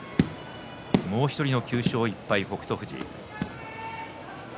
もう１人の９勝１敗、北勝富士。